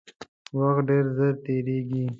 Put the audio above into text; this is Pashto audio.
وخت ډیر ژر تیریږي